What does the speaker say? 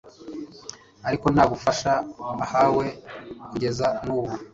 ariko nta bufasha bahawe kugeza n'ubu